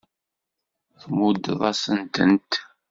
Tmuddeḍ-asent-tent.